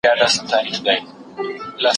هغه په بې ساري ډول له ترافیکي بې نظمۍ څخه ووت.